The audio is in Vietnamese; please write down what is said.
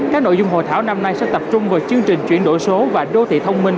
các nội dung hội thảo năm nay sẽ tập trung vào chương trình chuyển đổi số và đô thị thông minh